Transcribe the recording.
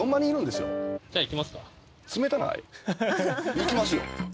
行きますよ。